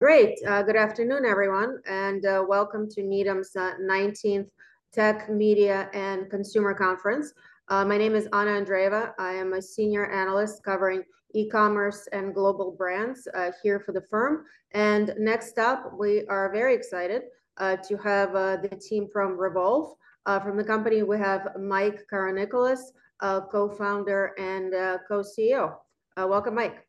Great. Good afternoon, everyone, and welcome to Needham's nineteenth Tech, Media, and Consumer Conference. My name is Anna Andreeva. I am a senior analyst covering e-commerce and global brands, here for the firm. Next up, we are very excited to have the team from Revolve. From the company, we have Mike Karanikolas, co-founder and co-CEO. Welcome, Mike.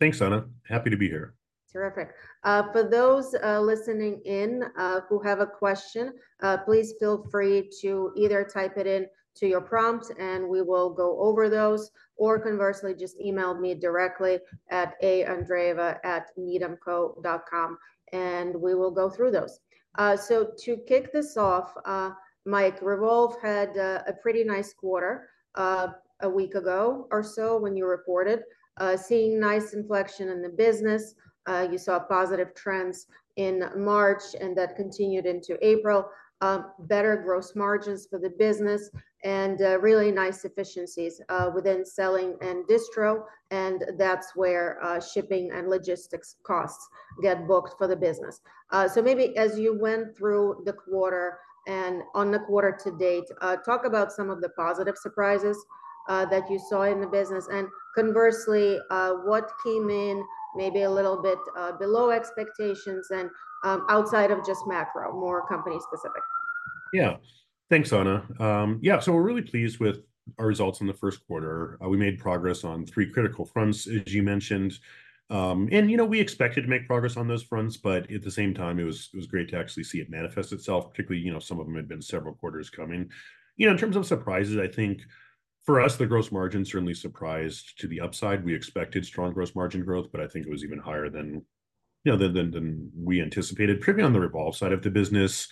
Thanks, Anna. Happy to be here. Terrific. For those listening in who have a question, please feel free to either type it into your prompt and we will go over those, or conversely, just email me directly at aandreeva@needhamco.com, and we will go through those. So to kick this off, Mike, Revolve had a pretty nice quarter a week ago or so when you reported. Seeing nice inflection in the business, you saw positive trends in March, and that continued into April. Better gross margins for the business and really nice efficiencies within selling and distro, and that's where shipping and logistics costs get booked for the business. So maybe as you went through the quarter and on the quarter to date, talk about some of the positive surprises that you saw in the business. Conversely, what came in maybe a little bit below expectations and, outside of just macro, more company specific? Yeah. Thanks, Anna. Yeah, so we're really pleased with our results in the first quarter. We made progress on three critical fronts, as you mentioned. And, you know, we expected to make progress on those fronts, but at the same time, it was great to actually see it manifest itself, particularly, you know, some of them had been several quarters coming. You know, in terms of surprises, I think for us, the gross margin certainly surprised to the upside. We expected strong gross margin growth, but I think it was even higher than, you know, than we anticipated. Particularly on the Revolve side of the business,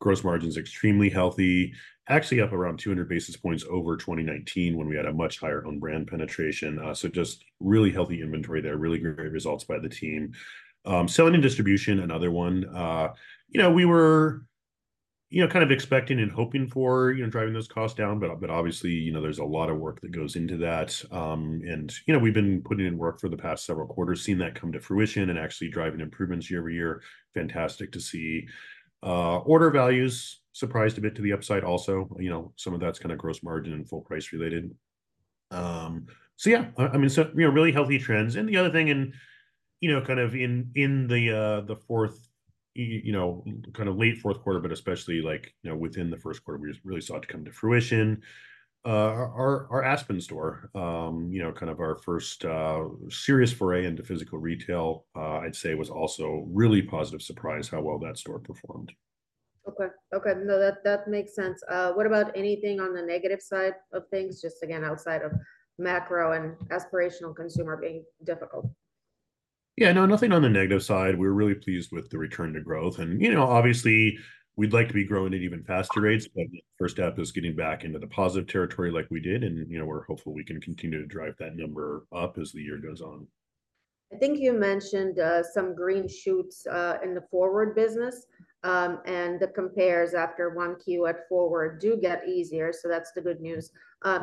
gross margin's extremely healthy, actually up around 200 basis points over 2019 when we had a much higher own brand penetration. So just really healthy inventory there, really great results by the team. Selling and distribution, another one. You know, we were, you know, kind of expecting and hoping for, you know, driving those costs down, but, but obviously, you know, there's a lot of work that goes into that. And, you know, we've been putting in work for the past several quarters, seeing that come to fruition and actually driving improvements year-over-year. Fantastic to see. Order values surprised a bit to the upside also. You know, some of that's kind of gross margin and full price related. So yeah, I mean, so, you know, really healthy trends. And the other thing and, you know, kind of in the fourth, you know, kind of late fourth quarter, but especially like, you know, within the first quarter, we just really saw it come to fruition. Our Aspen store, you know, kind of our first serious foray into physical retail, I'd say was also really positive surprise how well that store performed. Okay. Okay, no, that, that makes sense. What about anything on the negative side of things, just again, outside of macro and aspirational consumer being difficult? Yeah, no, nothing on the negative side. We're really pleased with the return to growth and, you know, obviously, we'd like to be growing at even faster rates, but first step is getting back into the positive territory like we did, and, you know, we're hopeful we can continue to drive that number up as the year goes on. I think you mentioned some green shoots in the FWRD business. And the compares after 1Q at FWRD do get easier, so that's the good news.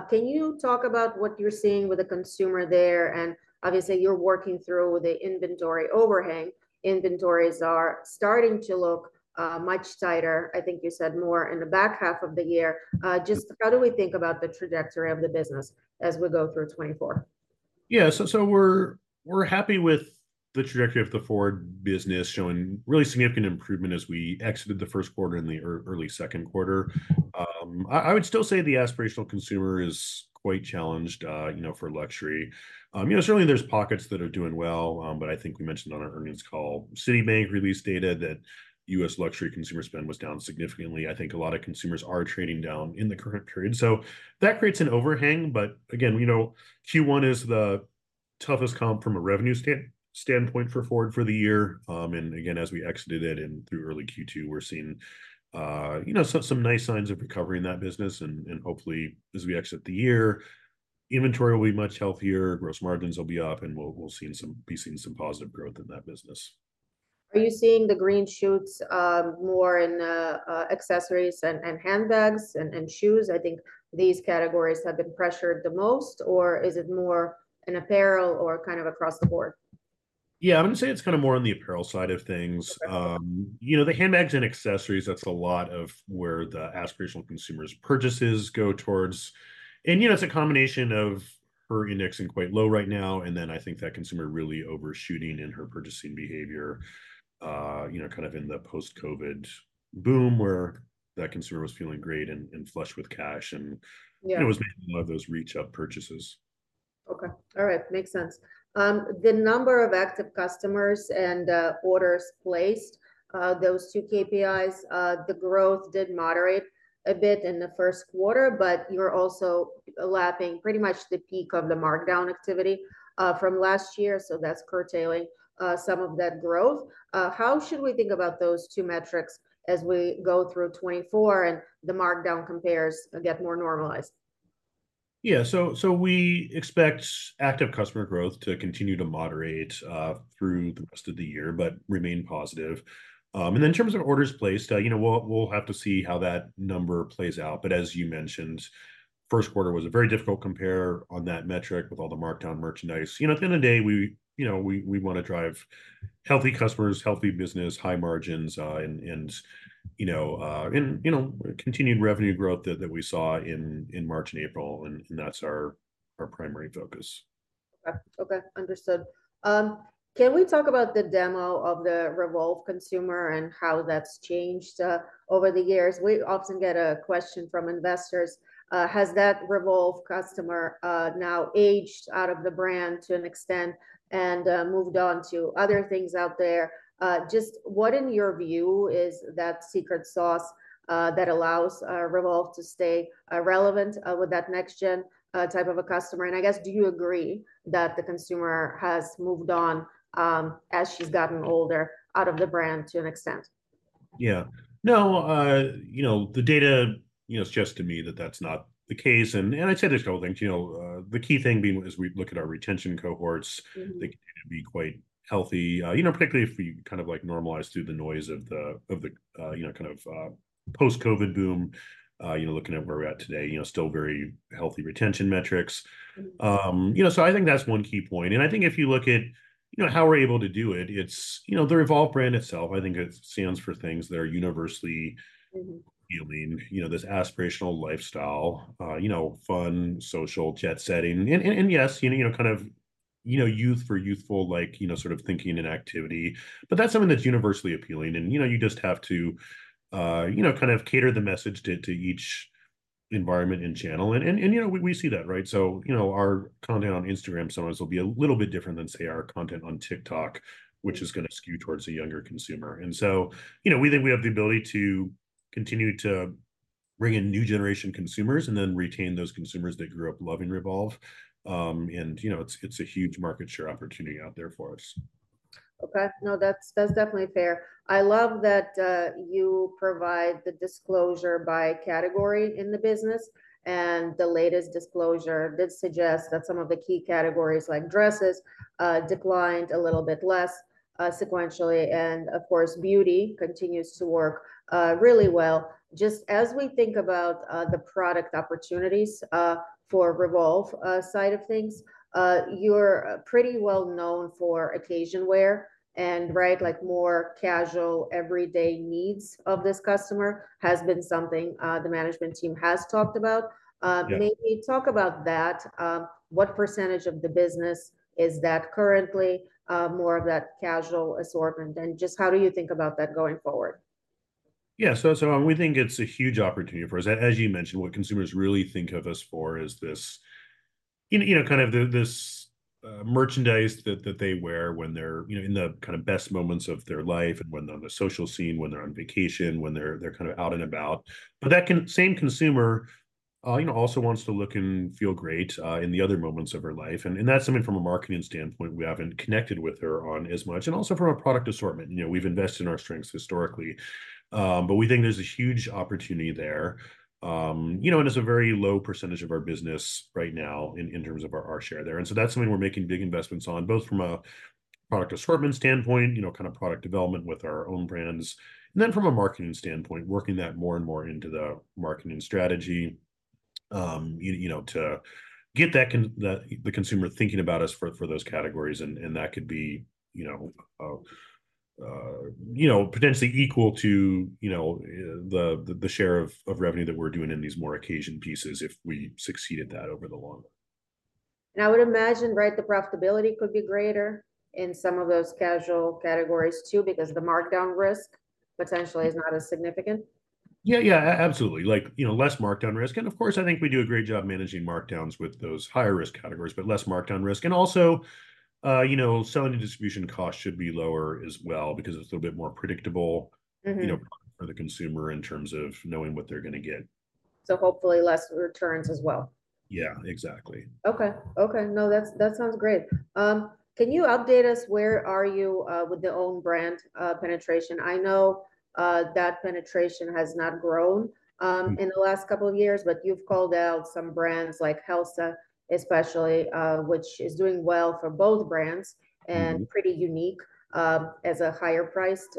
Can you talk about what you're seeing with the consumer there? And obviously, you're working through the inventory overhang. Inventories are starting to look much tighter, I think you said more in the back half of the year. Just how do we think about the trajectory of the business as we go through 2024? Yeah. So we're happy with the trajectory of the FWRD business, showing really significant improvement as we exited the first quarter and the early second quarter. I would still say the aspirational consumer is quite challenged, you know, for luxury. You know, certainly there's pockets that are doing well, but I think we mentioned on our earnings call, Citibank released data that U.S. luxury consumer spend was down significantly. I think a lot of consumers are trading down in the current period, so that creates an overhang. But again, you know, Q1 is the toughest comp from a revenue standpoint for FWRD for the year. And again, as we exited it and through early Q2, we're seeing, you know, some nice signs of recovery in that business. Hopefully, as we exit the year, inventory will be much healthier, gross margins will be up, and we'll be seeing some positive growth in that business. Are you seeing the green shoots more in accessories and handbags and shoes? I think these categories have been pressured the most, or is it more in apparel or kind of across the board? Yeah, I'm going to say it's kind of more on the apparel side of things. Okay. You know, the handbags and accessories, that's a lot of where the aspirational consumer's purchases go towards. And, you know, it's a combination of her indexing quite low right now, and then I think that consumer really overshooting in her purchasing behavior, you know, kind of in the post-COVID boom, where that consumer was feeling great and flush with cash, and- Yeah... you know, was making a lot of those reach up purchases. Okay. All right, makes sense. The number of active customers and orders placed, those two KPIs, the growth did moderate a bit in the first quarter, but you're also lapping pretty much the peak of the markdown activity from last year, so that's curtailing some of that growth. How should we think about those two metrics as we go through 2024 and the markdown compares get more normalized?... Yeah, so we expect active customer growth to continue to moderate through the rest of the year, but remain positive. And in terms of orders placed, you know, we'll have to see how that number plays out. But as you mentioned, first quarter was a very difficult compare on that metric with all the markdown merchandise. You know, at the end of the day, we, you know, we wanna drive healthy customers, healthy business, high margins, and continued revenue growth that we saw in March and April, and that's our primary focus. Okay, okay, understood. Can we talk about the demo of the Revolve consumer and how that's changed over the years? We often get a question from investors: has that Revolve customer now aged out of the brand to an extent and moved on to other things out there? Just what, in your view, is that secret sauce that allows Revolve to stay relevant with that next gen type of a customer? And I guess, do you agree that the consumer has moved on as she's gotten older, out of the brand to an extent? Yeah. No, you know, the data, you know, suggests to me that that's not the case. I'd say there's a couple things. You know, the key thing being, as we look at our retention cohorts- Mm-hmm. They can be quite healthy, you know, particularly if we kind of, like, normalize through the noise of the you know, kind of post-COVID boom. You know, looking at where we're at today, you know, still very healthy retention metrics. Mm-hmm. You know, so I think that's one key point, and I think if you look at, you know, how we're able to do it, it's... You know, the Revolve brand itself, I think it stands for things that are universally- Mm-hmm... appealing. You know, this aspirational lifestyle, fun, social, jet setting. And, yes, you know, kind of youthful, like, you know, sort of thinking and activity, but that's something that's universally appealing. And, you know, you just have to, kind of cater the message to each environment and channel. And, you know, we see that, right? So, you know, our content on Instagram sometimes will be a little bit different than, say, our content on TikTok- Mm-hmm... which is gonna skew towards a younger consumer. And so, you know, we think we have the ability to continue to bring in new generation consumers and then retain those consumers that grew up loving Revolve. You know, it's a huge market share opportunity out there for us. Okay. No, that's, that's definitely fair. I love that you provide the disclosure by category in the business, and the latest disclosure did suggest that some of the key categories, like dresses, declined a little bit less sequentially. And, of course, beauty continues to work really well. Just as we think about the product opportunities for Revolve side of things, you're pretty well known for occasion wear and, right, like more casual, everyday needs of this customer has been something the management team has talked about. Yeah. Maybe talk about that. What percentage of the business is that currently, more of that casual assortment, and just how do you think about that going forward? Yeah. We think it's a huge opportunity for us. As you mentioned, what consumers really think of us for is this, you know, kind of this merchandise that they wear when they're, you know, in the kind of best moments of their life and when they're on the social scene, when they're on vacation, when they're kind of out and about. But that same consumer, you know, also wants to look and feel great in the other moments of her life, and that's something from a marketing standpoint we haven't connected with her on as much, and also from a product assortment. You know, we've invested in our strengths historically, but we think there's a huge opportunity there. You know, and it's a very low percentage of our business right now in terms of our share there. And so that's something we're making big investments on, both from a product assortment standpoint, you know, kind of product development with our own brands, and then from a marketing standpoint, working that more and more into the marketing strategy, you know, to get the consumer thinking about us for those categories. And that could be, you know, potentially equal to the share of revenue that we're doing in these more occasion pieces if we succeed at that over the long run. I would imagine, right, the profitability could be greater in some of those casual categories, too, because the markdown risk potentially is not as significant? Yeah, yeah, absolutely. Like, you know, less markdown risk, and of course, I think we do a great job managing markdowns with those higher risk categories, but less markdown risk. And also, you know, selling and distribution costs should be lower as well because it's a little bit more predictable- Mm-hmm... you know, for the consumer in terms of knowing what they're gonna get. Hopefully less returns as well. Yeah, exactly. Okay. Okay, no, that sounds great. Can you update us where you are with the own brand penetration? I know that penetration has not grown in the last couple of years, but you've called out some brands, like Helsa especially, which is doing well for both brands- Mm-hmm... and pretty unique, as a higher priced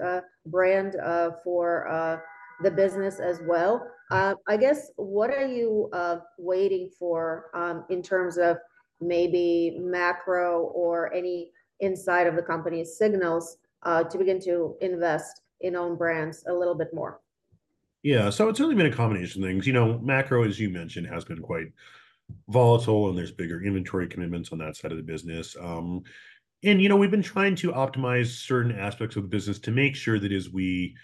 brand for the business as well. I guess, what are you waiting for, in terms of maybe macro or any inside of the company's signals, to begin to invest in own brands a little bit more? Yeah. So it's really been a combination of things. You know, macro, as you mentioned, has been quite volatile, and there's bigger inventory commitments on that side of the business. And, you know, we've been trying to optimize certain aspects of the business to make sure that as we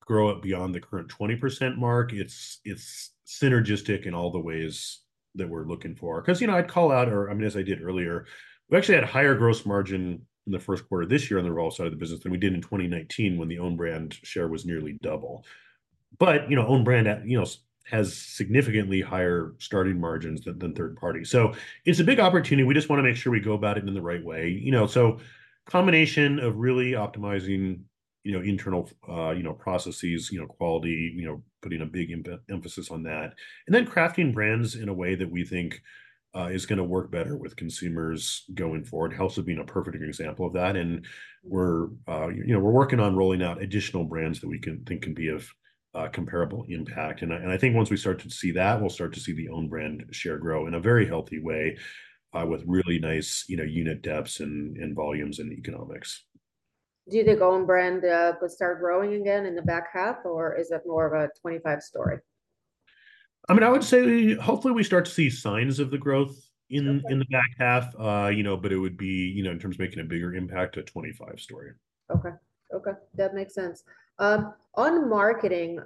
grow it beyond the current 20% mark, it's, it's synergistic in all the ways that we're looking for. 'Cause, you know, I'd call out... or, I mean, as I did earlier, we actually had a higher gross margin in the first quarter of this year on the Revolve side of the business than we did in 2019, when the own brand share was nearly double. But, you know, own brand, you know, has significantly higher starting margins than, than third party. So it's a big opportunity. We just wanna make sure we go about it in the right way. You know, so combination of really optimizing, you know, internal processes, you know, quality, you know, putting a big emphasis on that. And then crafting brands in a way that we think is gonna work better with consumers going forward. Helsa being a perfect example of that, and we're, you know, we're working on rolling out additional brands that we can think can be of comparable impact. And I think once we start to see that, we'll start to see the own brand share grow in a very healthy way, with really nice, you know, unit depths and volumes and economics. Will the own brand start growing again in the back half, or is it more of a 2025 story? I mean, I would say hopefully we start to see signs of the growth in- Okay... in the back half. You know, but it would be, you know, in terms of making a bigger impact, a 2025 story. Okay. Okay, that makes sense. On marketing,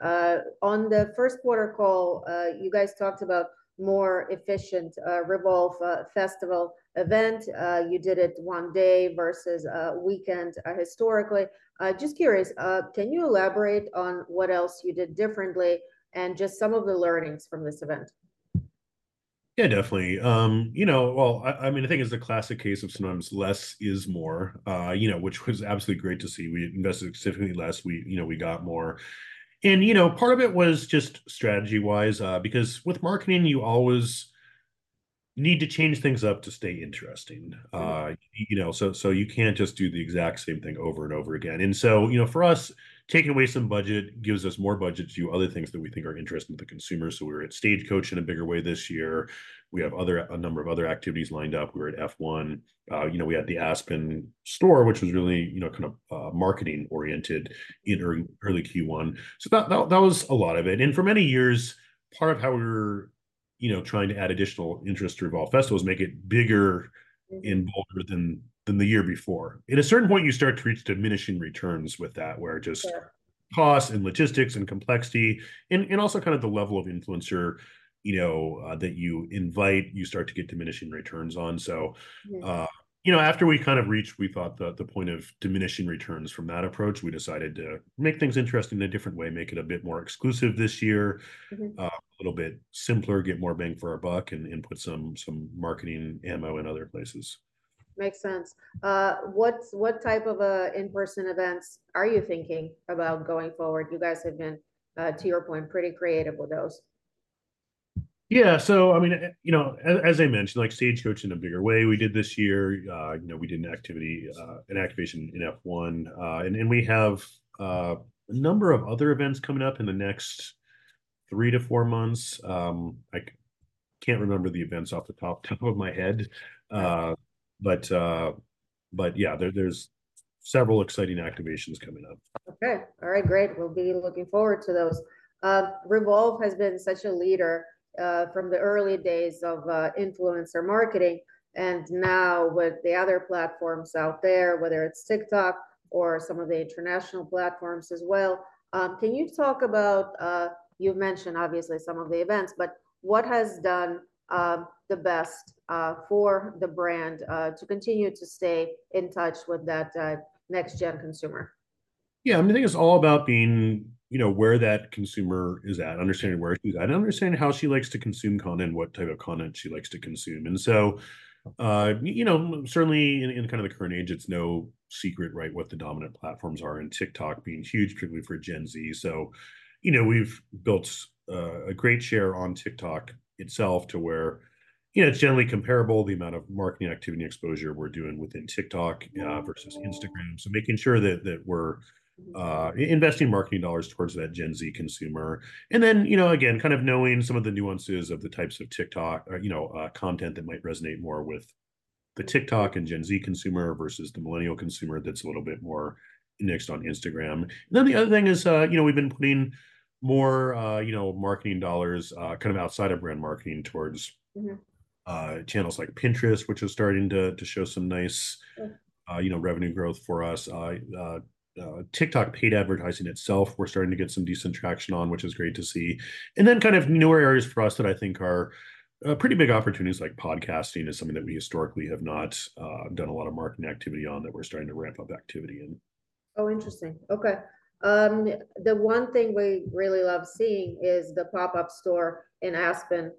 on the first quarter call, you guys talked about more efficient Revolve Festival event. You did it one day versus weekend, historically. Just curious, can you elaborate on what else you did differently and just some of the learnings from this event? Yeah, definitely. You know, well, I mean, I think it's a classic case of sometimes less is more, you know, which was absolutely great to see. We invested significantly less. We, you know, we got more. And, you know, part of it was just strategy-wise, because with marketing, you always need to change things up to stay interesting. You know, so you can't just do the exact same thing over and over again. And so, you know, for us, taking away some budget gives us more budget to do other things that we think are interesting to the consumer. So we're at Stagecoach in a bigger way this year. We have other... a number of other activities lined up. We're at F1. You know, we had the Aspen store, which was really, you know, kind of, marketing-oriented in early Q1. So that was a lot of it. And for many years, part of how we were, you know, trying to add additional interest to Revolve Festival is make it bigger and bolder than the year before. At a certain point, you start to reach diminishing returns with that, where just- Sure... cost and logistics and complexity and, and also kind of the level of influencer, you know, that you invite, you start to get diminishing returns on. So- Mm-hmm... you know, after we kind of reached, we thought, the point of diminishing returns from that approach, we decided to make things interesting in a different way, make it a bit more exclusive this year. Mm-hmm. A little bit simpler, get more bang for our buck, and put some marketing ammo in other places. Makes sense. What type of in-person events are you thinking about going forward? You guys have been, to your point, pretty creative with those. Yeah. So I mean, you know, as I mentioned, like Stagecoach in a bigger way, we did this year. You know, we did an activity, an activation in F1. And we have a number of other events coming up in the next 3-4 months. I can't remember the events off the top of my head. But yeah, there's several exciting activations coming up. Okay. All right, great. We'll be looking forward to those. Revolve has been such a leader from the early days of influencer marketing, and now with the other platforms out there, whether it's TikTok or some of the international platforms as well. Can you talk about... you've mentioned, obviously, some of the events, but what has done the best for the brand to continue to stay in touch with that next gen consumer? Yeah, I mean, I think it's all about being, you know, where that consumer is at, understanding where she's at, and understanding how she likes to consume content, what type of content she likes to consume. And so, you know, certainly in kind of the current age, it's no secret, right, what the dominant platforms are, and TikTok being huge, particularly for Gen Z. So, you know, we've built a great share on TikTok itself to where, you know, it's generally comparable, the amount of marketing activity exposure we're doing within TikTok. Yeah... versus Instagram. So making sure that we're investing marketing dollars towards that Gen Z consumer. And then, you know, again, kind of knowing some of the nuances of the types of TikTok content that might resonate more with the TikTok and Gen Z consumer versus the millennial consumer that's a little bit more next on Instagram. And then the other thing is, you know, we've been putting more, you know, marketing dollars kind of outside of brand marketing towards- Mm-hmm ... channels like Pinterest, which is starting to show some nice- Sure... you know, revenue growth for us. TikTok paid advertising itself, we're starting to get some decent traction on, which is great to see. And then kind of newer areas for us that I think are pretty big opportunities, like podcasting, is something that we historically have not done a lot of marketing activity on, that we're starting to ramp up activity in. Oh, interesting. Okay. The one thing we really love seeing is the pop-up store in Aspen,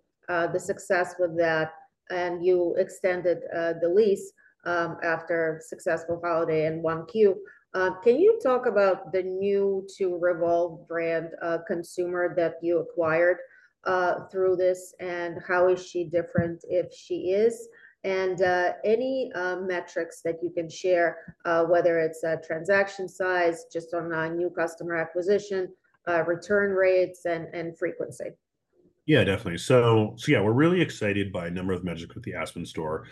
the success with that, and you extended the lease after successful holiday in 1Q. Can you talk about the new-to-Revolve brand consumer that you acquired through this, and how is she different, if she is? And any metrics that you can share, whether it's transaction size, just on new customer acquisition, return rates, and frequency? Yeah, definitely. So yeah, we're really excited by a number of metrics with the Aspen store.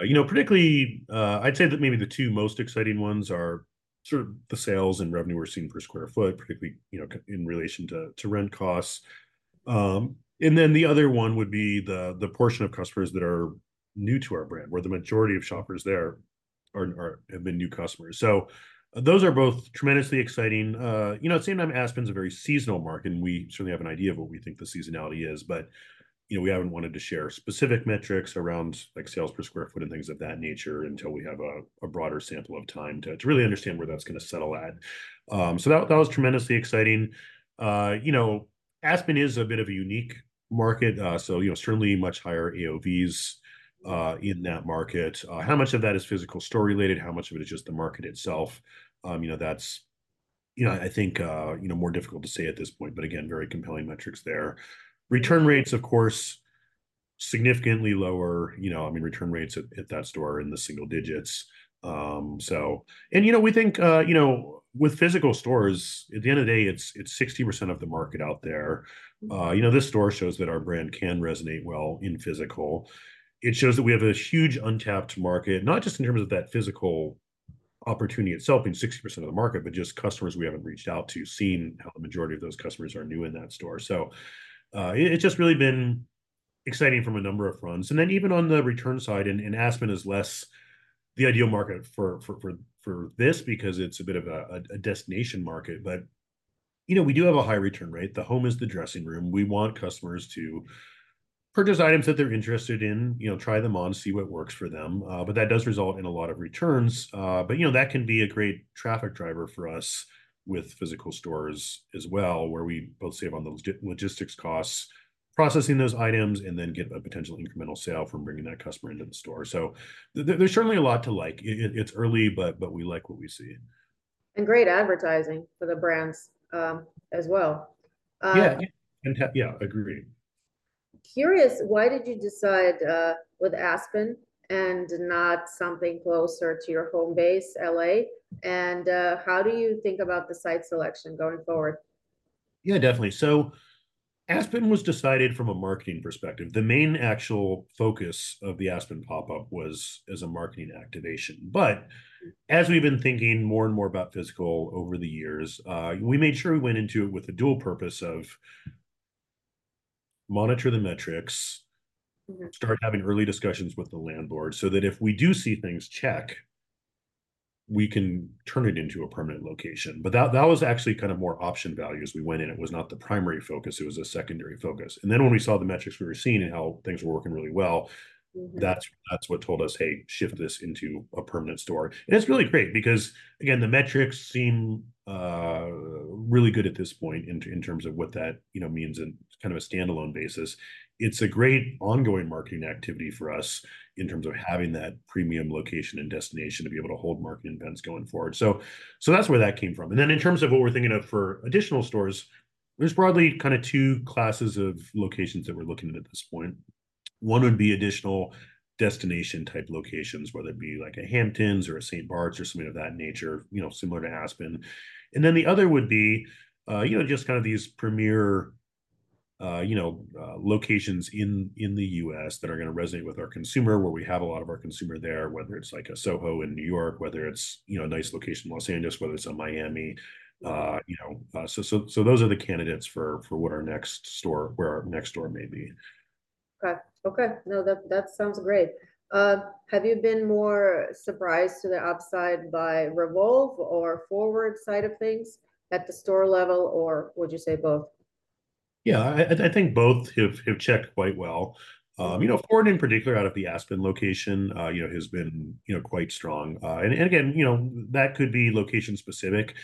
You know, particularly, I'd say that maybe the two most exciting ones are sort of the sales and revenue we're seeing per square foot, particularly, you know, in relation to rent costs. And then the other one would be the portion of customers that are new to our brand, where the majority of shoppers there are have been new customers. So those are both tremendously exciting. You know, at the same time, Aspen's a very seasonal market, and we certainly have an idea of what we think the seasonality is. But, you know, we haven't wanted to share specific metrics around, like, sales per square foot and things of that nature until we have a broader sample of time to really understand where that's gonna settle at. So that was tremendously exciting. Aspen is a bit of a unique market. So, you know, certainly much higher AOVs in that market. How much of that is physical store related? How much of it is just the market itself? You know, that's, you know, I think more difficult to say at this point, but again, very compelling metrics there. Return rates, of course, significantly lower, you know, I mean, return rates at that store are in the single digits. You know, we think, you know, with physical stores, at the end of the day, it's 60% of the market out there. You know, this store shows that our brand can resonate well in physical. It shows that we have a huge untapped market, not just in terms of that physical opportunity itself, being 60% of the market, but just customers we haven't reached out to, seeing how the majority of those customers are new in that store. So, it's just really been exciting from a number of fronts. And then, even on the return side, and Aspen is less the ideal market for this, because it's a bit of a destination market. But, you know, we do have a high return rate. The home is the dressing room. We want customers to purchase items that they're interested in, you know, try them on, see what works for them. But that does result in a lot of returns. But, you know, that can be a great traffic driver for us with physical stores as well, where we both save on the logistics costs, processing those items, and then get a potential incremental sale from bringing that customer into the store. So there's certainly a lot to like. It's early, but we like what we see. Great advertising for the brands, as well. Yeah, yeah. Yeah, agreed. Curious, why did you decide, with Aspen and not something closer to your home base, L.A.? And, how do you think about the site selection going forward? Yeah, definitely. So Aspen was decided from a marketing perspective. The main actual focus of the Aspen pop-up was as a marketing activation. But as we've been thinking more and more about physical over the years, we made sure we went into it with the dual purpose of monitor the metrics- Mm-hmm ...start having early discussions with the landlord, so that if we do see things click, we can turn it into a permanent location. But that, that was actually kind of more option value as we went in. It was not the primary focus, it was a secondary focus. And then, when we saw the metrics we were seeing and how things were working really well- Mm-hmm... that's what told us, "Hey, shift this into a permanent store." And it's really great because, again, the metrics seem really good at this point in terms of what that, you know, means in kind of a standalone basis. It's a great ongoing marketing activity for us in terms of having that premium location and destination to be able to hold marketing events going forward. So that's where that came from. And then, in terms of what we're thinking of for additional stores, there's broadly kind of two classes of locations that we're looking at at this point. One would be additional destination-type locations, whether it be like a Hamptons or a St. Barts or something of that nature, you know, similar to Aspen. And then, the other would be, you know, just kind of these premier locations in the U.S. that are gonna resonate with our consumer, where we have a lot of our consumer there, whether it's like a Soho in New York, whether it's, you know, a nice location in Los Angeles, whether it's a Miami, you know. So those are the candidates for what our next store, where our next store may be. Okay. Okay, no, that, that sounds great. Have you been more surprised to the upside by Revolve or FWRD side of things at the store level, or would you say both? Yeah, I think both have checked quite well. You know, FWRD, in particular, out of the Aspen location, you know, has been, you know, quite strong. And again, you know, that could be location specific.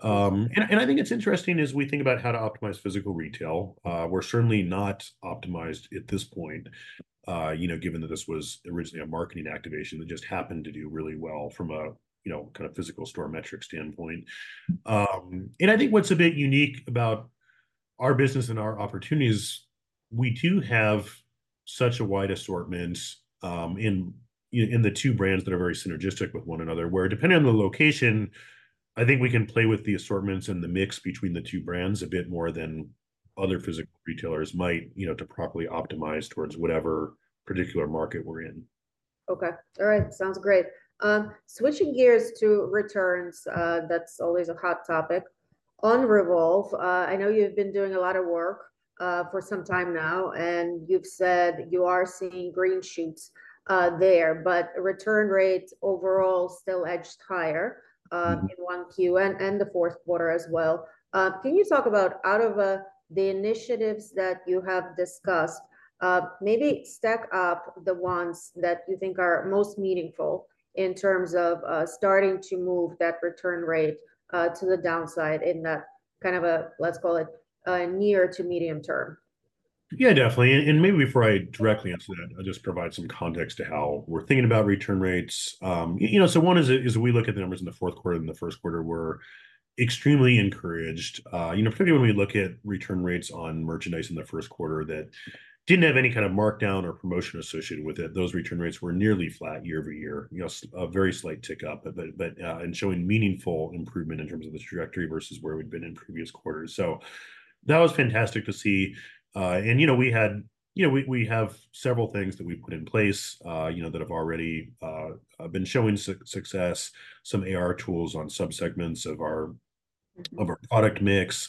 And I think it's interesting as we think about how to optimize physical retail. We're certainly not optimized at this point, you know, given that this was originally a marketing activation that just happened to do really well from a, you know, kind of physical store metric standpoint. I think what's a bit unique about our business and our opportunity is we do have such a wide assortment in the two brands that are very synergistic with one another, where, depending on the location, I think we can play with the assortments and the mix between the two brands a bit more than other physical retailers might, you know, to properly optimize towards whatever particular market we're in. Okay. All right, sounds great. Switching gears to returns, that's always a hot topic. On Revolve, I know you've been doing a lot of work for some time now, and you've said you are seeing green shoots there, but return rates overall still edged higher. Mm-hmm... in 1Q and, and the fourth quarter as well. Can you talk about out of, the initiatives that you have discussed, maybe stack up the ones that you think are most meaningful in terms of, starting to move that return rate, to the downside in a kind of a, let's call it, a near to medium term? Yeah, definitely. And maybe before I directly answer that, I'll just provide some context to how we're thinking about return rates. You know, so one is we look at the numbers in the fourth quarter and the first quarter, we're extremely encouraged. You know, particularly when we look at return rates on merchandise in the first quarter that didn't have any kind of markdown or promotion associated with it, those return rates were nearly flat year-over-year. You know, a very slight tick-up, but and showing meaningful improvement in terms of this trajectory versus where we'd been in previous quarters. So that was fantastic to see. And, you know, we had... You know, we have several things that we've put in place, you know, that have already been showing success. Some AR tools on subsegments of our product mix,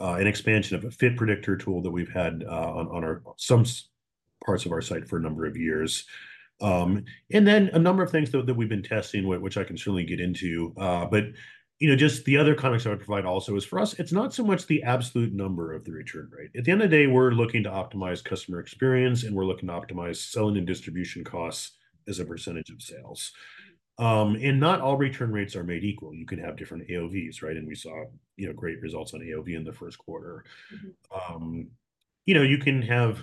an expansion of a fit predictor tool that we've had on some parts of our site for a number of years. And then, a number of things that we've been testing, which I can certainly get into. But you know, just the other comments I would provide also is, for us, it's not so much the absolute number of the return rate. At the end of the day, we're looking to optimize customer experience, and we're looking to optimize selling and distribution costs as a percentage of sales. And not all return rates are made equal. You can have different AOVs, right? And we saw, you know, great results on AOV in the first quarter. Mm-hmm. You know, you can have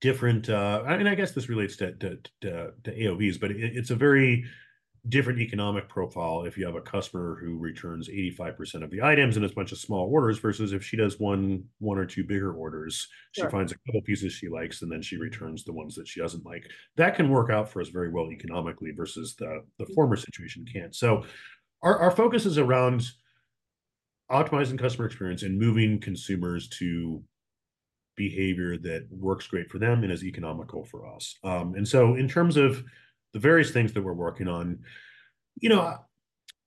different. I mean, I guess this relates to AOVs, but it's a very different economic profile if you have a customer who returns 85% of the items in as much as small orders, versus if she does one or two bigger orders. Sure. She finds a couple pieces she likes, and then she returns the ones that she doesn't like. That can work out for us very well economically, versus the, the former situation can't. So our, our focus is around optimizing customer experience and moving consumers to behavior that works great for them and is economical for us. And so in terms of the various things that we're working on, you know,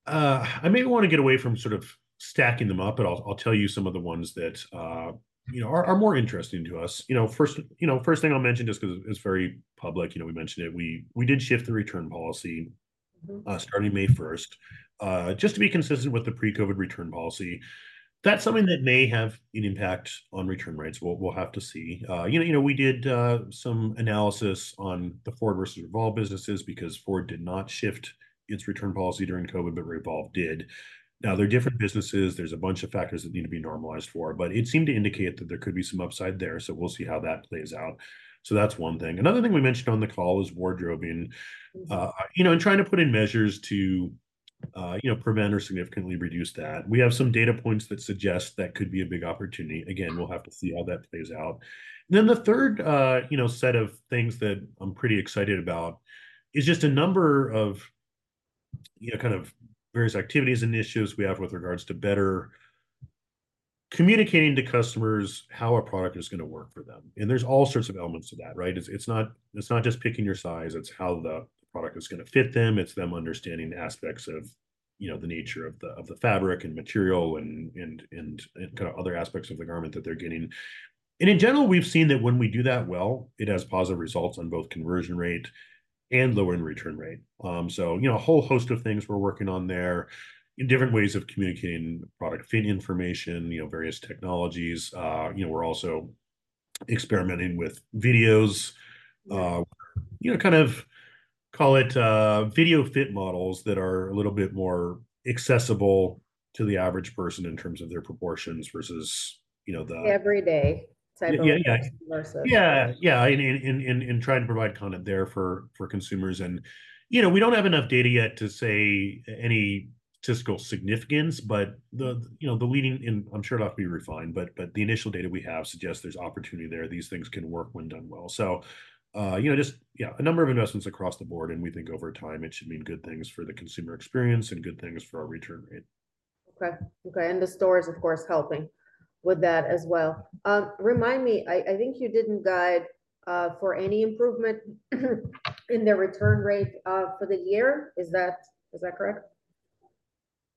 I maybe want to get away from sort of stacking them up, but I'll, I'll tell you some of the ones that, you know, are, are more interesting to us. You know, first, you know, first thing I'll mention, just 'cause it's very public, you know, we mentioned it, we, we did shift the return policy- Mm-hmm... starting May first, just to be consistent with the pre-COVID return policy. That's something that may have an impact on return rates. We'll have to see. You know, we did some analysis on the FWRD versus Revolve businesses because FWRD did not shift its return policy during COVID, but Revolve did. Now, they're different businesses. There's a bunch of factors that need to be normalized for, but it seemed to indicate that there could be some upside there, so we'll see how that plays out. So that's one thing. Another thing we mentioned on the call is wardrobing. And trying to put in measures to prevent or significantly reduce that. We have some data points that suggest that could be a big opportunity. Again, we'll have to see how that plays out. Then the third, you know, set of things that I'm pretty excited about is just a number of, you know, kind of various activities and issues we have with regards to better communicating to customers how a product is gonna work for them, and there's all sorts of elements to that, right? It's, it's not, it's not just picking your size, it's how the product is gonna fit them. It's them understanding aspects of, you know, the nature of the, of the fabric and material and, and, and, and kind of other aspects of the garment that they're getting. And in general, we've seen that when we do that well, it has positive results on both conversion rate and lower end return rate. So, you know, a whole host of things we're working on there, different ways of communicating product fit information, you know, various technologies. You know, we're also experimenting with videos, you know, kind of call it, video fit models that are a little bit more accessible to the average person in terms of their proportions versus, you know, the- Everyday type of- Yeah, yeah... versus. Yeah, yeah, and trying to provide content there for consumers. And, you know, we don't have enough data yet to say any statistical significance, but the, you know, the leading... and I'm sure it'll have to be refined, but the initial data we have suggests there's opportunity there. These things can work when done well. So, you know, just, yeah, a number of investments across the board, and we think over time it should mean good things for the consumer experience and good things for our return rate. Okay. Okay, and the store is, of course, helping with that as well. Remind me, I think you didn't guide for any improvement in the return rate for the year. Is that correct?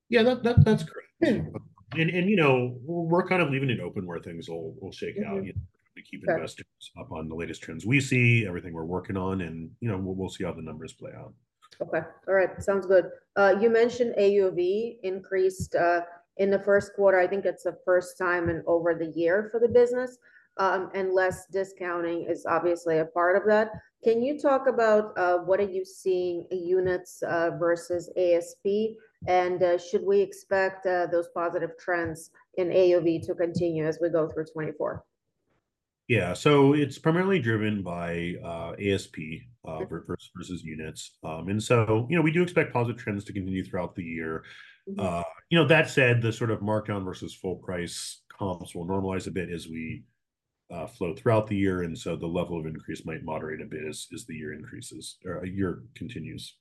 Yeah, that's correct. And you know, we're kind of leaving it open where things will shake out. Mm-hmm. Got it. We keep investors up on the latest trends we see, everything we're working on, and, you know, we'll see how the numbers play out. Okay. All right, sounds good. You mentioned AOV increased in the first quarter. I think it's the first time in over a year for the business, and less discounting is obviously a part of that. Can you talk about what are you seeing units versus ASP, and should we expect those positive trends in AOV to continue as we go through 2024? Yeah. So it's primarily driven by ASP versus units. And so, you know, we do expect positive trends to continue throughout the year. Mm-hmm. you know, that said, the sort of markdown versus full price comps will normalize a bit as we flow throughout the year, and so the level of increase might moderate a bit as the year increases, or the year continues.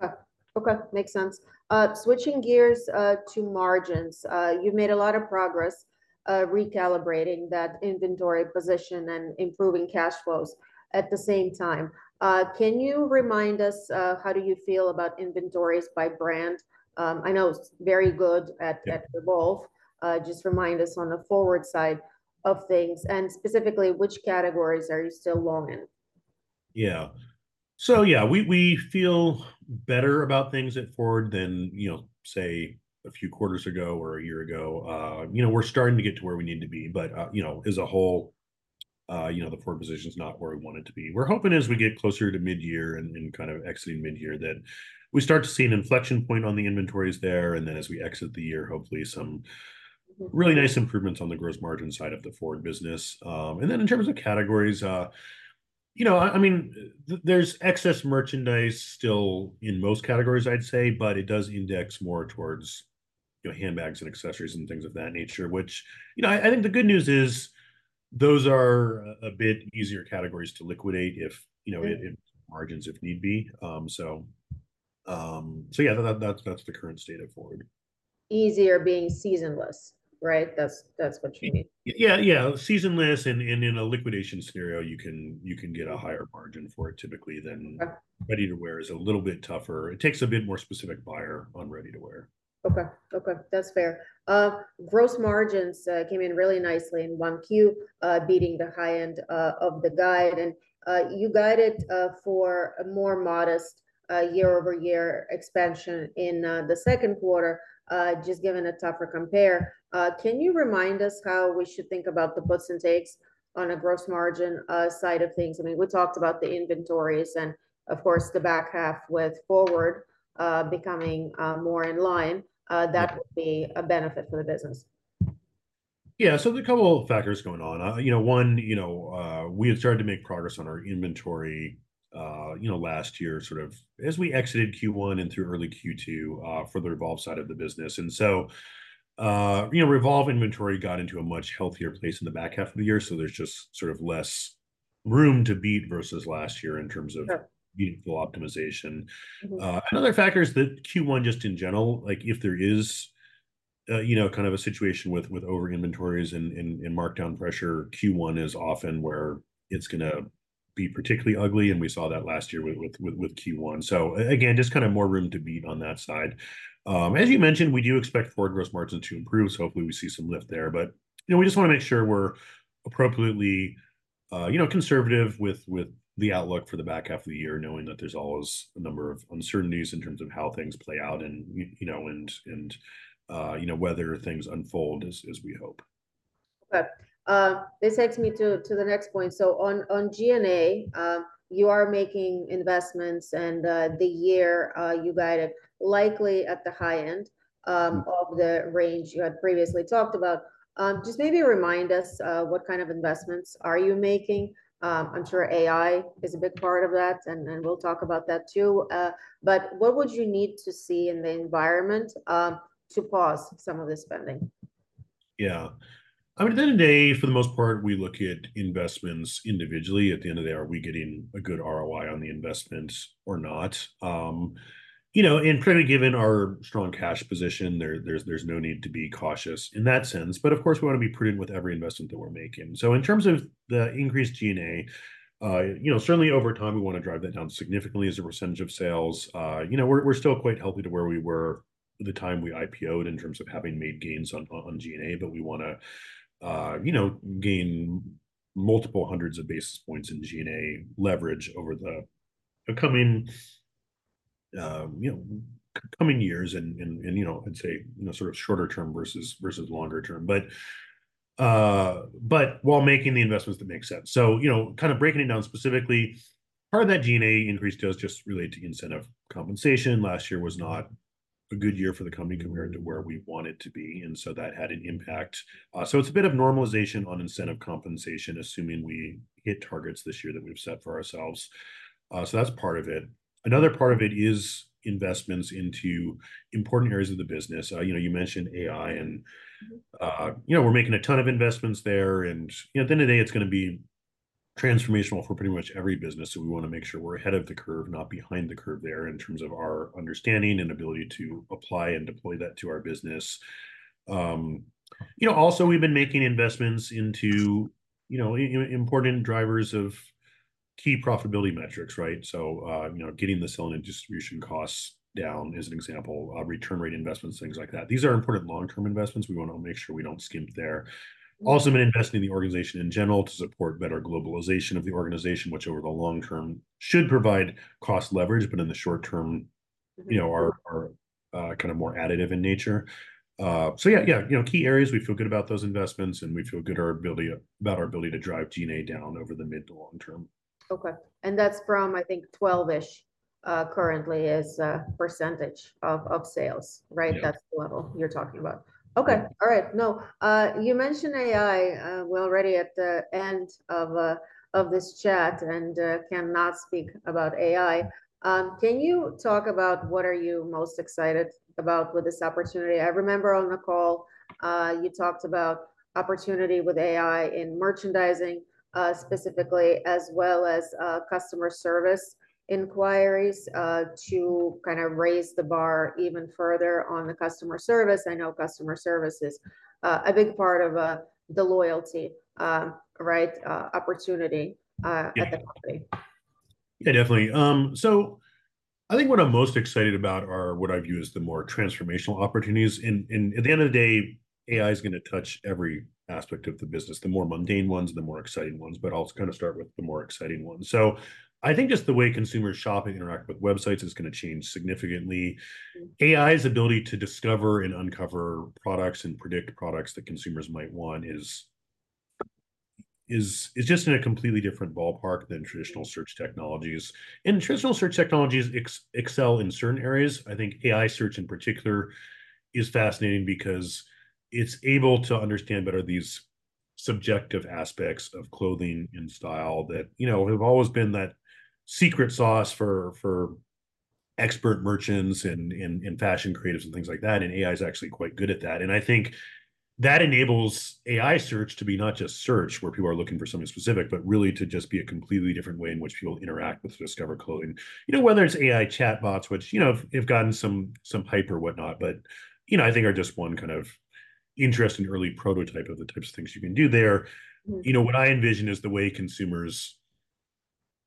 Okay. Okay, makes sense. Switching gears to margins. You've made a lot of progress recalibrating that inventory position and improving cash flows at the same time. Can you remind us how do you feel about inventories by brand? I know it's very good at- Yeah... at Revolve. Just remind us on the FWRD side of things, and specifically, which categories are you still long in? Yeah. So yeah, we feel better about things at FWRD than, you know, say, a few quarters ago or a year ago. You know, we're starting to get to where we need to be, but, you know, as a whole, you know, the FWRD position is not where we want it to be. We're hoping as we get closer to mid-year and kind of exiting mid-year, that we start to see an inflection point on the inventories there, and then as we exit the year, hopefully some really nice improvements on the gross margin side of the FWRD business. And then in terms of categories, you know, I mean, there's excess merchandise still in most categories, I'd say, but it does index more towards, you know, handbags and accessories and things of that nature, which, you know, I think the good news is, those are a bit easier categories to liquidate if, you know- Yeah... if margins, if need be. So, so yeah, that, that, that's, that's the current state of FWRD. Easier being seasonless, right? That's, that's what you mean. Yeah, seasonless and in a liquidation scenario, you can get a higher margin for it typically than- Okay... ready-to-wear is a little bit tougher. It takes a bit more specific buyer on ready-to-wear. Okay. Okay, that's fair. Gross margins came in really nicely in 1Q, beating the high end of the guide. And you guided for a more modest year-over-year expansion in the second quarter, just given a tougher compare. Can you remind us how we should think about the puts and takes on a gross margin side of things? I mean, we talked about the inventories and of course, the back half with FWRD becoming more in line- Mm-hmm... that would be a benefit for the business.... Yeah, so there are a couple of factors going on. You know, one, you know, we had started to make progress on our inventory, you know, last year, sort of as we exited Q1 and through early Q2, for the Revolve side of the business. And so, you know, Revolve inventory got into a much healthier place in the back half of the year, so there's just sort of less room to beat versus last year in terms of- Sure being full optimization. Mm-hmm. Another factor is that Q1, just in general, like if there is, you know, kind of a situation with over inventories and markdown pressure, Q1 is often where it's gonna be particularly ugly, and we saw that last year with Q1. So again, just kind of more room to beat on that side. As you mentioned, we do expect Gross Margin to improve, so hopefully we see some lift there. But, you know, we just want to make sure we're appropriately, you know, conservative with the outlook for the back half of the year, knowing that there's always a number of uncertainties in terms of how things play out and you know, and, you know, whether things unfold as we hope. Okay. This takes me to the next point. So on G&A, you are making investments and the year you guided likely at the high end. Mm-hmm... of the range you had previously talked about. Just maybe remind us, what kind of investments are you making? I'm sure AI is a big part of that, and, and we'll talk about that, too. But what would you need to see in the environment, to pause some of the spending? Yeah. I mean, at the end of the day, for the most part, we look at investments individually. At the end of the day, are we getting a good ROI on the investments or not? You know, and frankly, given our strong cash position there, there's no need to be cautious in that sense. But of course, we want to be prudent with every investment that we're making. So in terms of the increased G&A, you know, certainly over time, we want to drive that down significantly as a percentage of sales. You know, we're still quite healthy to where we were at the time we IPO'd in terms of having made gains on G&A, but we want to, you know, gain multiple hundreds of basis points in G&A leverage over the coming, you know, coming years and, you know, I'd say, you know, sort of shorter term versus longer term. But while making the investments that make sense. So, you know, kind of breaking it down specifically, part of that G&A increase does just relate to incentive compensation. Last year was not a good year for the company compared to where we want it to be, and so that had an impact. So it's a bit of normalization on incentive compensation, assuming we hit targets this year that we've set for ourselves. So that's part of it. Another part of it is investments into important areas of the business. You know, you mentioned AI, and- Mm-hmm... you know, we're making a ton of investments there. And, you know, at the end of the day, it's gonna be transformational for pretty much every business, so we want to make sure we're ahead of the curve, not behind the curve there, in terms of our understanding and ability to apply and deploy that to our business. You know, also, we've been making investments into, you know, important drivers of key profitability metrics, right? So, you know, getting the selling and distribution costs down, as an example, return rate investments, things like that. These are important long-term investments. We want to make sure we don't skimp there. Mm-hmm. Also, been investing in the organization in general to support better globalization of the organization, which over the long term should provide cost leverage, but in the short term- Mm-hmm... you know, are kind of more additive in nature. So yeah, yeah, you know, key areas, we feel good about those investments, and we feel good about our ability to drive G&A down over the mid to long term. Okay, and that's from, I think, 12-ish, currently as a percentage of sales, right? Yeah. That's the level you're talking about. Okay, all right. Now, you mentioned AI. We're already at the end of this chat, and cannot speak about AI. Can you talk about what are you most excited about with this opportunity? I remember on the call, you talked about opportunity with AI in merchandising, specifically, as well as customer service inquiries, to kind of raise the bar even further on the customer service. I know customer service is a big part of the loyalty, right, opportunity. Yeah... at the company. Yeah, definitely. So I think what I'm most excited about are what I view as the more transformational opportunities. At the end of the day, AI is gonna touch every aspect of the business, the more mundane ones and the more exciting ones, but I'll kind of start with the more exciting ones. I think just the way consumers shop and interact with websites is gonna change significantly. Mm-hmm. AI's ability to discover and uncover products and predict products that consumers might want is just in a completely different ballpark than traditional search technologies. Traditional search technologies excel in certain areas. I think AI search in particular is fascinating because it's able to understand better these subjective aspects of clothing and style that, you know, have always been that secret sauce for fashion creatives and things like that, and AI is actually quite good at that. I think that enables AI search to be not just search, where people are looking for something specific, but really to just be a completely different way in which people interact with discover clothing. You know, whether it's AI chatbots, which, you know, have gotten some hype or whatnot, but, you know, I think are just one kind of interesting early prototype of the types of things you can do there. Mm-hmm. You know, what I envision is the way consumers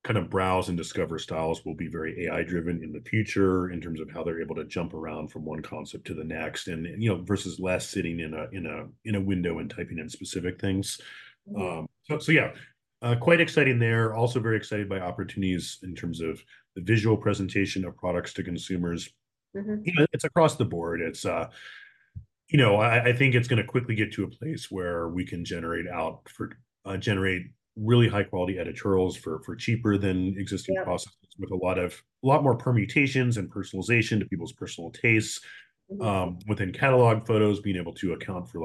kind of browse and discover styles will be very AI-driven in the future, in terms of how they're able to jump around from one concept to the next, and you know, versus less sitting in a window and typing in specific things. Mm-hmm. So yeah, quite exciting there. Also, very excited by opportunities in terms of the visual presentation of products to consumers. Mm-hmm. You know, it's across the board. It's... You know, I think it's gonna quickly get to a place where we can generate really high-quality editorials for cheaper than existing processes- Yeah... with a lot of, a lot more permutations and personalization to people's personal tastes. Mm-hmm. Within catalog photos, being able to account for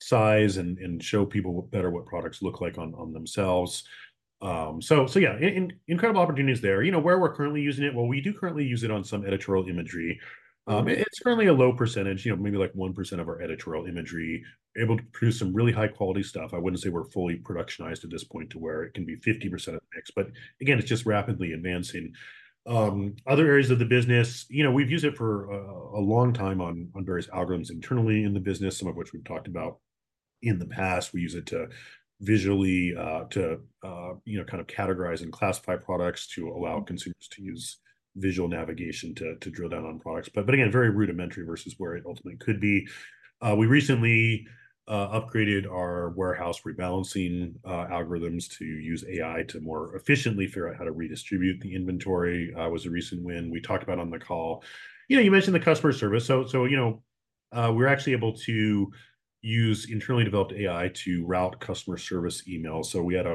size and show people what products look like on themselves. So yeah, incredible opportunities there. You know, where we're currently using it? Well, we do currently use it on some editorial imagery. It's currently a low percentage, you know, maybe like 1% of our editorial imagery. Able to produce some really high-quality stuff. I wouldn't say we're fully productionized at this point to where it can be 50% of the mix, but again, it's just rapidly advancing. Other areas of the business, you know, we've used it for a long time on various algorithms internally in the business, some of which we've talked about in the past. We use it to visually, you know, kind of categorize and classify products to allow consumers to use visual navigation to drill down on products. But again, very rudimentary versus where it ultimately could be. We recently upgraded our warehouse rebalancing algorithms to use AI to more efficiently figure out how to redistribute the inventory, was a recent win we talked about on the call. You know, you mentioned the customer service. So, you know, we're actually able to use internally developed AI to route customer service emails. So we had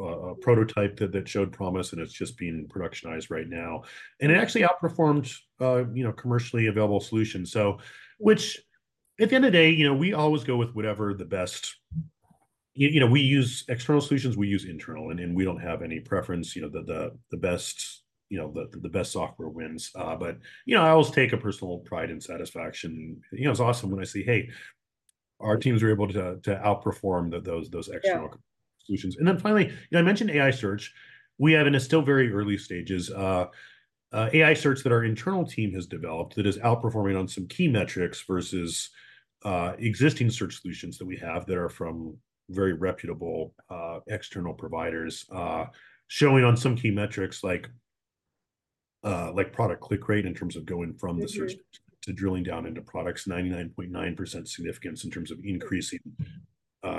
a prototype that showed promise, and it's just being productionized right now, and it actually outperformed, you know, commercially available solutions. So, which at the end of the day, you know, we always go with whatever the best... You know, we use external solutions, we use internal, and we don't have any preference. You know, the best, you know, the best software wins. But, you know, I always take a personal pride and satisfaction. You know, it's awesome when I see, hey, our teams are able to outperform those external- Yeah - solutions. And then finally, you know, I mentioned AI search. We have, and it's still very early stages, AI search that our internal team has developed that is outperforming on some key metrics versus, existing search solutions that we have that are from very reputable, external providers. Showing on some key metrics like, like product click rate in terms of going from the search- Mm-hmm to drilling down into products, 99.9% significance in terms of increasing,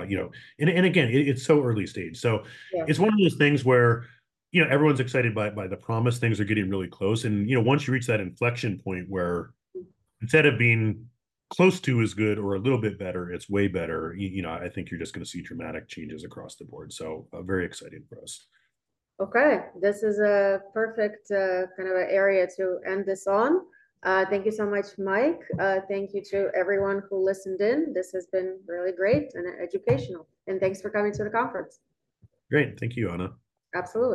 you know... And, and again, it, it's so early stage. Yeah. So it's one of those things where, you know, everyone's excited by, by the promise. Things are getting really close and, you know, once you reach that inflection point, where instead of being close to is good or a little bit better, it's way better, you know, I think you're just gonna see dramatic changes across the board. So, very exciting for us. Okay, this is a perfect, kind of an area to end this on. Thank you so much, Mike. Thank you to everyone who listened in. This has been really great and educational, and thanks for coming to the conference. Great. Thank you, Anna. Absolutely.